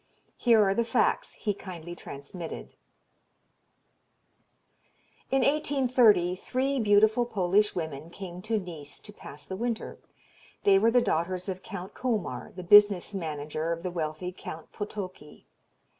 Here are the facts he kindly transmitted: "In 1830 three beautiful Polish women came to Nice to pass the winter. They were the daughters of Count Komar, the business manager of the wealthy Count Potocki.